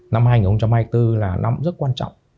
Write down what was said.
năm hai nghìn hai mươi bốn là năm rất quan trọng